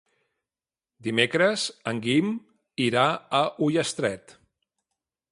Dimecres en Guim irà a Ullastret.